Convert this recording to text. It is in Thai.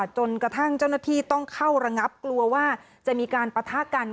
จนกระทั่งเจ้าหน้าที่ต้องเข้าระงับกลัวว่าจะมีการปะทะกัน